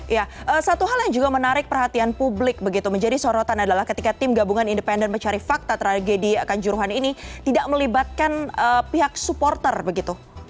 ya satu hal yang juga menarik perhatian publik begitu menjadi sorotan adalah ketika tim gabungan independen mencari fakta tragedi kanjuruhan ini tidak melibatkan pihak supporter begitu